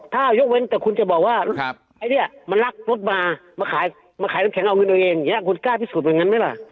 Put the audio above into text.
ถ้ายกไว้ต่อคุณจะบอกว่าไอ้เนี้ยมาลักรถมามาขายมะขายลิ้มแข็งเอาเงินเองอย่างอย่างคุณกล้าพิสูจน์แบบนั้นไม่ล่ะ